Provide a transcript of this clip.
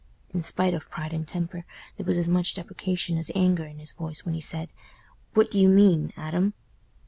In spite of pride and temper, there was as much deprecation as anger in his voice when he said, "What do you mean, Adam?"